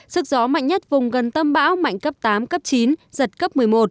sức gió mạnh nhất vùng gần tâm bão mạnh cấp tám cấp chín giật cấp một mươi một